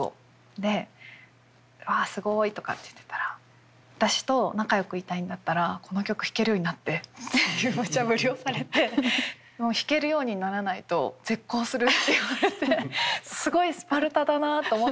で「あっすごい」とかって言ってたら「私と仲よくいたいんだったらこの曲弾けるようになって」っていうむちゃぶりをされて「弾けるようにならないと絶交する」って言われてすごいスパルタだなと思ったんですけど。